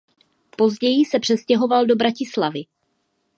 Později se přestěhoval do Bratislavy.